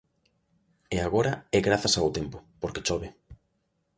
E agora é grazas ao tempo, porque chove.